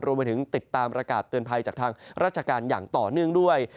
รวมไปถึงติดตามประกาศเตือนภัยจากทางราชการอย่างต่อเนื่องด้วย